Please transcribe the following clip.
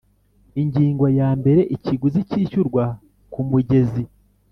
Ingingo ya mbere Ikiguzi cyishyurwa ku mugezi